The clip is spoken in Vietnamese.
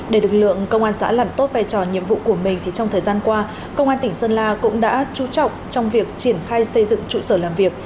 để lực lượng công an xã làm tốt vai trò nhiệm vụ của mình trong thời gian qua công an tỉnh sơn la cũng đã trú trọng trong việc triển khai xây dựng trụ sở làm việc